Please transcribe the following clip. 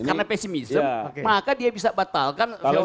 karena pesimism maka dia bisa batalkan feudalism